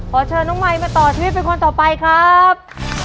ขอเชิญน้องมายมาต่อชีวิตเป็นคนต่อไปครับ